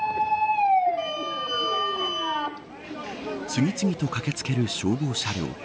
次々と駆けつける消防車両。